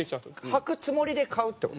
はくつもりで買うって事？